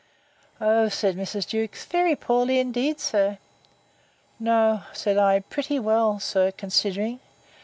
O, said Mrs. Jewkes, very poorly, indeed, sir! No, said I, pretty well, sir, considering.